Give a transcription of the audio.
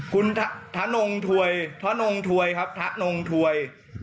ครับคุณธานงถวยครับธานงถวย